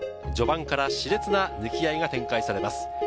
序盤からし烈な抜き合いが展開されます。